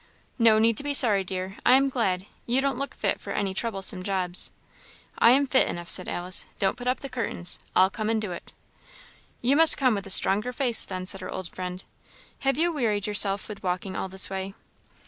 "No need to be sorry, dear I am glad; you don't look fit for any troublesome jobs." "I am fit enough," said Alice. "Don't put up the curtains; I'll come and do it." "You must come with a stronger face, then," said her old friend; "have you wearied yourself with walking all this way?"